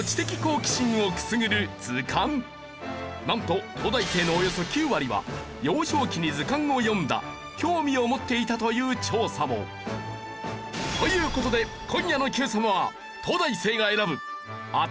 なんと東大生のおよそ９割は幼少期に図鑑を読んだ興味を持っていたという調査も。という事で今夜の『Ｑさま！！』は。